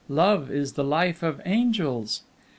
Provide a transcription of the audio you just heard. Love is the life of angels!